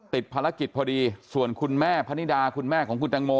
ติดภารกิจพอดีส่วนคุณแม่พนิดาคุณแม่ของคุณตังโม